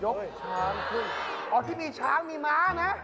ช้างขึ้นอ๋อที่มีช้างมีม้านะ